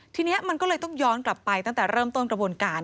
ทีนี้มันก็เลยต้องย้อนกลับไปตั้งแต่เริ่มต้นกระบวนการ